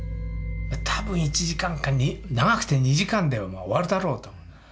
多分１時間か長くて２時間で終わるだろうと。